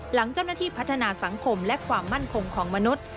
หลังเจ้าหน้าที่พัฒนาสังคมและความมั่นคงของมนุษย์